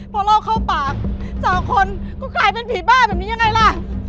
พอลอกเข้าปากสองคนก็กลายเป็นผีบ้าแบบนี้ยังไงล่ะ